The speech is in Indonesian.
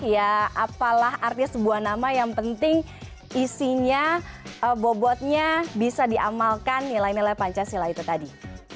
ya apalah artinya sebuah nama yang penting isinya bobotnya bisa diamalkan nilai nilai pancasila itu tadi